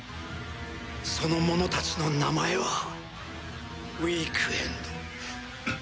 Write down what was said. その者たちの名前はウィークエンド。